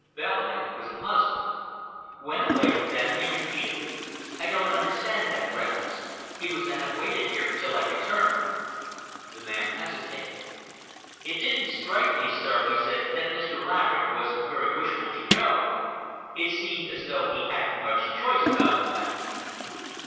Bellamy was puzzled. "Went away with them?" he repeated. "I don't understand that, Reynolds. He was to have waited here till I returned." The man hesitated. "It didn't strike me, sir," he said, "that Mr. Laverick was very wishful to go. It seemed as though he hadn't much choice about the matter."